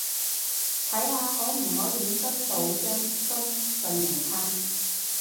睇下可唔可以申到張新信用卡